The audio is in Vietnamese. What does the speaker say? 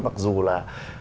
mặc dù là